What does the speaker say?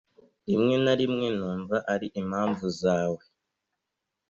rimwe na rimwe numva ari impamvu zawe